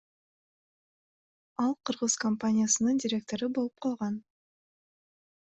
Ал кыргыз компаниясынын директору болуп калган.